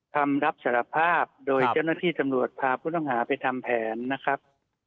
คำรับสารภาพโดยเจ้าหน้าที่ตำรวจพาผู้ต้องหาไปทำแผนนะครับ